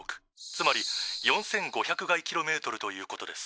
つまり４，５００垓ｋｍということです」。